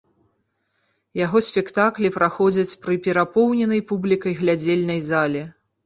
Яго спектаклі праходзяць пры перапоўненай публікай глядзельнай зале.